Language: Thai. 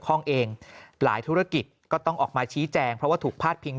ข้องเองหลายธุรกิจก็ต้องออกมาชี้แจงเพราะว่าถูกพาดพิง